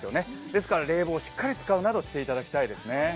ですから冷房をしっかり使うなどしていただきたいですね。